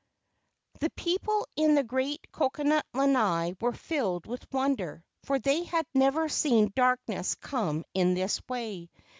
The people in the great coconut lanai were filled with wonder, for they had never seen darkness come in this way.